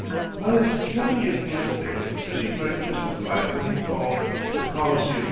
On his seventieth birthday Mr. Bright justified what he called the policy of 1846.